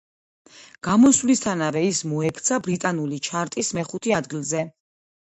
გამოსვლისთანავე ის მოექცა ბრიტანული ჩარტის მეხუთე ადგილზე.